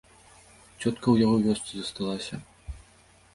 Цётка ў яго ў вёсцы засталася.